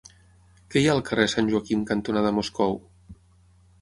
Què hi ha al carrer Sant Joaquim cantonada Moscou?